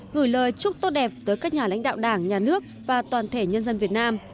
gửi lời chúc tốt đẹp tới các nhà lãnh đạo đảng nhà nước và toàn thể nhân dân việt nam